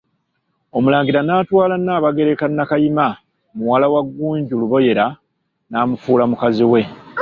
Omulangira n'atwala Nnaabagereka Nnakayima muwala wa Ggunju Luboyera, n'amufuula mukazi we.